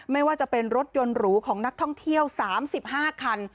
ไม่ว่าจะเป็นรถยนต์หรูของนักท่องเที่ยว๓๕คัน